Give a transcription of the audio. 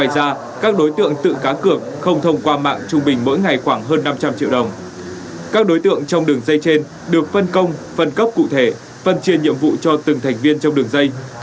các đối tượng trong đường dây trên được phân công phân cấp cụ thể phân triền nhiệm vụ cho từng thành viên trong đường dây